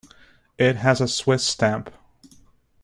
It has a Swiss stamp.